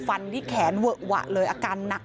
เหตุการณ์เกิดขึ้นแถวคลองแปดลำลูกกา